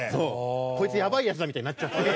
こいつやばいヤツだみたいになっちゃって。